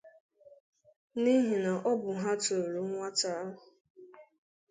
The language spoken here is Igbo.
n'ihi na ọ bụ ha tọọrọ nwata ahụ.